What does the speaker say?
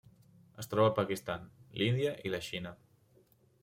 Es troba al Pakistan, l'Índia i la Xina.